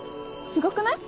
すごくない？